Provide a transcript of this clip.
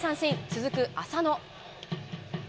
続く浅野。